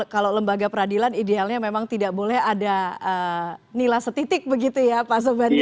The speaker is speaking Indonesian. kalau lembaga peradilan idealnya memang tidak boleh ada nilai setitik begitu ya pak sobandi